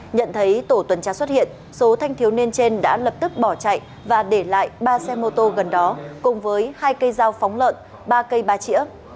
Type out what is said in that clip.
nhận thấy tổ tuần tra xuất hiện số thanh thiếu niên trên đã lập tức bỏ chạy và để lại ba xe mô tô gần đó cùng với hai cây dao phóng lợn ba cây ba chỉa